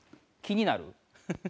気になる？